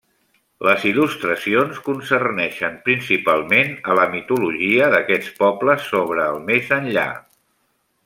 Les il·lustracions concerneixen principalment a la mitologia d'aquests pobles sobre el més enllà.